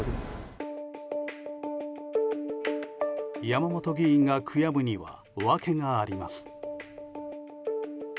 山本議員が悔やむには訳があります。